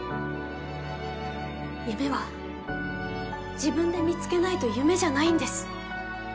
夢は自分で見つけないと夢じゃないんです。